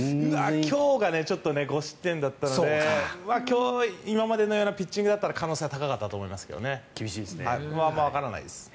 今日が５失点だったので今日、今までのようなピッチングだったら可能性は高かったと思いますけどまだわからないです。